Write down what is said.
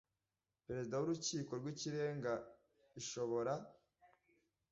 Perezida w Urukiko rw Ikirenga ishobora